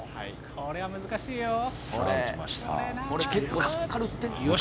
これは難しいよ。